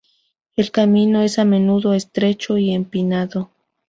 El camino es a menudo estrecho y empinado.